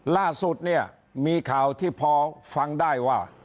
ล่าสุดเนี่ยมีข่าวที่พอฟังได้ว่า